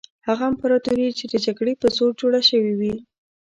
هغه امپراطوري چې د جګړې په زور جوړه شوې وي.